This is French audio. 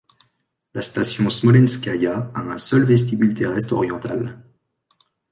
La station Smolenskaïa a un seul vestibule terrestre - oriental.